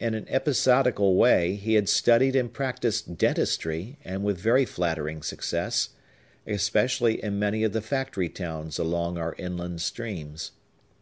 In an episodical way he had studied and practised dentistry, and with very flattering success, especially in many of the factory towns along our inland streams.